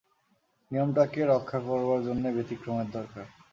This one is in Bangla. নিয়মটাকে রক্ষা করবার জন্যেই ব্যতিক্রমের দরকার।